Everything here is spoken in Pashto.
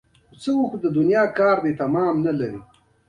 فرګوسن وویل: زما موخه هغه نه ده، ته غلطه شوې.